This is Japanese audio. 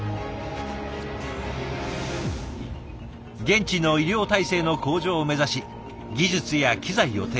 現地の医療体制の向上を目指し技術や機材を提供。